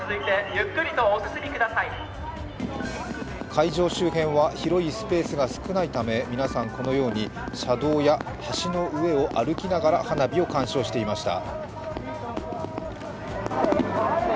会場周辺は広いスペースが少ないため、皆さんこのように車道や橋の上を歩きながら花火を鑑賞していました。